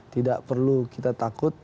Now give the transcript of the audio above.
tidak perlu kita takut